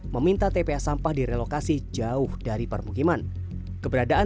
meminta tpa sampah direlokasi jauh dari permukiman keberadaan